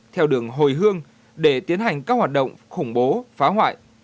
theo đường hồi hương để tiến hành các hoạt động khủng bố phá hoại